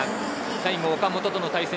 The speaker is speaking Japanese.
最後、岡本との対戦。